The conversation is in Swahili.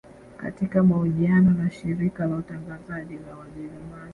Katika mahojiano na shirika la utangazaji la wajerumani